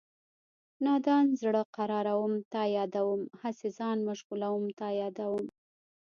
نادان زړه قراروم تا یادوم هسې ځان مشغولوم تا یادوم